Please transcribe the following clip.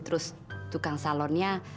terus tukang salonnya